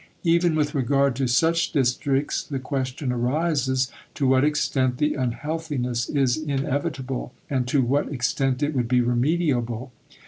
Even with regard to such districts the question arises to what extent the unhealthiness is inevitable, and to what extent it would be remediable....